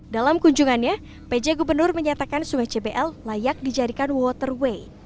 dalam kunjungannya pj gubernur menyatakan sungai cbl layak dijadikan waterway